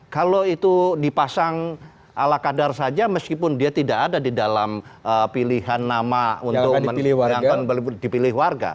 kalau itu dipasang ala kadar saja meskipun dia tidak ada di dalam pilihan nama untuk yang akan dipilih warga